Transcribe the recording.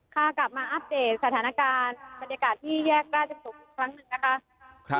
กลับมาอัพเดทสถานการภาพที่แยกร่าสสม